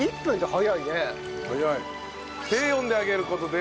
早い。